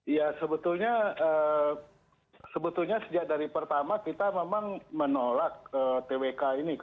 ya sebetulnya sejak dari pertama kita memang menolak twk ini